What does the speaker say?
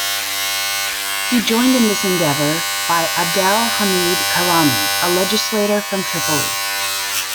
He joined in this endeavour by Abdel-Hamid Karami, a legislator from Tripoli.